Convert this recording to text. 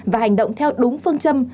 và hành động theo đúng phương châm